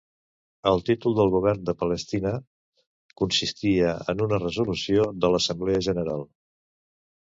El títol del Govern de Palestina consistia en una resolució de l'Assemblea General.